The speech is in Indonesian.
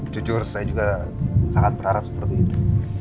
jujur saya juga sangat berharap seperti itu